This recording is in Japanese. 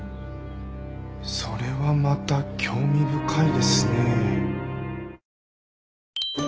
それはまた興味深いですね。